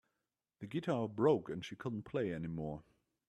The guitar broke and she couldn't play anymore.